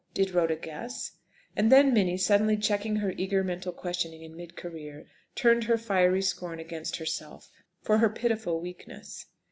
did Rhoda guess? And then Minnie, suddenly checking her eager mental questioning in mid career, turned her fiery scorn against herself for her pitiful weakness.